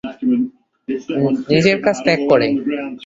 নিজের কাজ ত্যাগ করে।